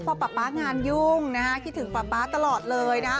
พอป๊างานยุ่งนะฮะคิดถึงป๊าตลอดเลยนะ